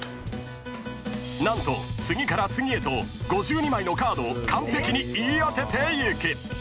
［何と次から次へと５２枚のカードを完璧に言い当てていく］